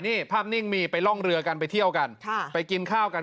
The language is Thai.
นี่ภาพนิ่งมีไปร่องเรือกันไปเที่ยวกันไปกินข้าวกัน